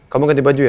kamu ganti baju ya